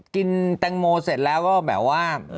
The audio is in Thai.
กินแตงโมเสร็จแล้วก็แบบว่า